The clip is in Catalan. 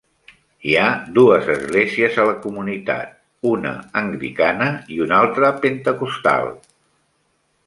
Hi ha dues esglésies a la comunitat, una anglicana i una altra pentecostal.